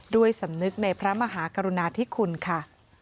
ด้วยสำนึกในพระมหากรุณาธิคุณค่ะ